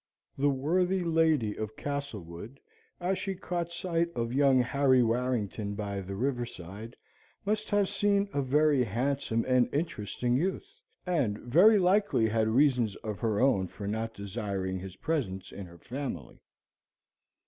The worthy lady of Castlewood, as she caught sight of young Harry Warrington by the river side, must have seen a very handsome and interesting youth, and very likely had reasons of her own for not desiring his presence in her family.